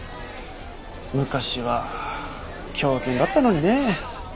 昔は狂犬だったのにねえ。